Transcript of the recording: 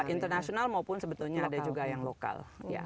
internasional maupun sebetulnya ada juga yang lokal